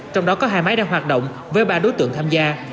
trong đó có hai máy đang hoạt động với ba đối tượng tham gia